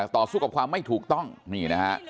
ต่อสู้กับความไม่ถูกต้องนี่นะฮะ